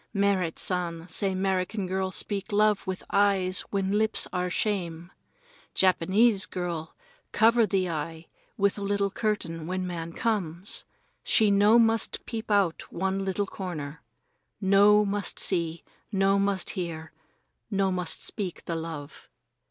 Merrit San say 'Merican girl speak love with eyes when lips are shame. Japanese girl cover the eye with little curtain when man comes. She no must peep out one little corner. No must see, no must hear, no must speak the love.